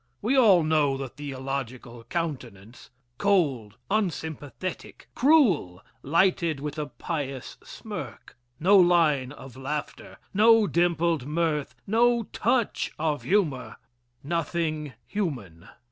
We all know the theological countenance, cold, unsympathetic, cruel, lighted with a pious smirk, no line of laughter no dimpled mirth no touch of humor nothing human.